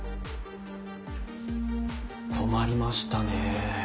困りましたねえ。